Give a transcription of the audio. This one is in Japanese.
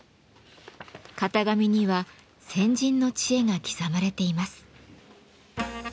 型紙には先人の知恵が刻まれています。